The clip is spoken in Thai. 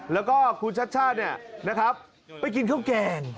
แล้วก็คุณชัชช่านี่นะครับไปกินข้าวแกง